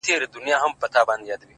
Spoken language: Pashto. هغه وكړې سوگېرې پــه خـاموشـۍ كي،